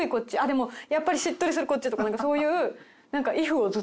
でもやっぱりしっとりするこっちとかなんかそういう。